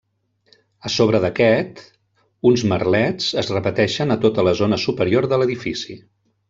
A sobre d'aquest uns merlets es repeteixen a tota la zona superior de l'edifici.